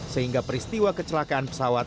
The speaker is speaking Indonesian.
sehingga peristiwa kecelakaan pesawat